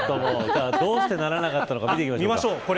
どうしてならなかったのか見ましょう。